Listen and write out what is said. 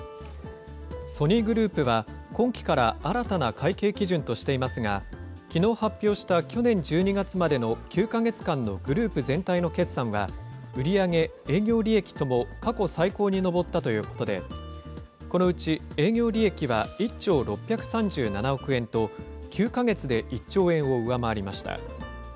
ソニーグループは、今期から、新たな会計基準としていますが、きのう発表した去年１２月までの９か月間のグループ全体の決算は、売り上げ、営業利益とも過去最高に上ったということで、このうち営業利益は１兆６３７億円と、９か月で１兆円を上回りました。